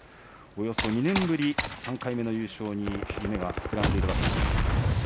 およそ２年ぶり、３回目の優勝に夢が膨らんでいます。